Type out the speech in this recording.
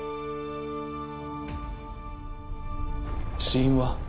死因は？